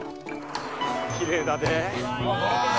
きれいだね。